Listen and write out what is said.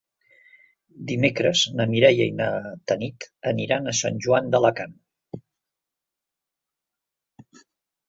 Dimecres na Mireia i na Tanit aniran a Sant Joan d'Alacant.